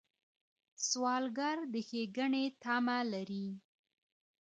سوالګر د ښېګڼې تمه لري